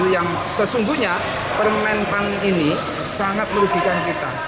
yang sesungguhnya permen pan ini sangat merugikan kita